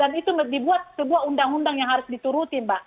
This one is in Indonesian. dan itu dibuat sebuah undang undang yang harus dituruti mbak